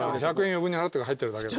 余分に払ったから入ってるだけだ。